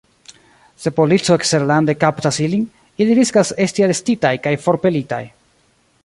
Se polico eksterlande kaptas ilin, ili riskas esti arestitaj kaj forpelitaj.